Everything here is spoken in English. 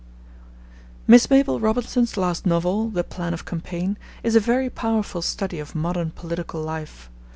Miss Mabel Robinson's last novel, The Plan of Campaign, is a very powerful study of modern political life.